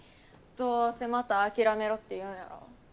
どうせまた諦めろって言うんやろ。